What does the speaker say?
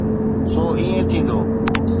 سو ائين ٿيندو.